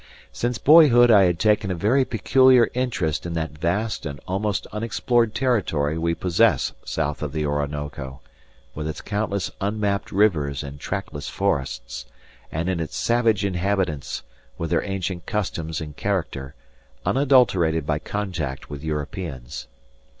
Since boyhood I had taken a very peculiar interest in that vast and almost unexplored territory we possess south of the Orinoco, with its countless unmapped rivers and trackless forests; and in its savage inhabitants, with their ancient customs and character, unadulterated by contact with Europeans.